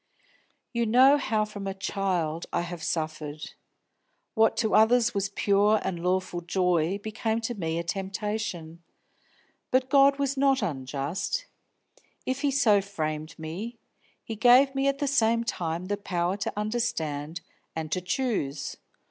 "You know how from a child I have suffered. What to others was pure and lawful joy became to me a temptation. But God was not unjust; if He so framed me, He gave me at the same time the power to understand and to choose.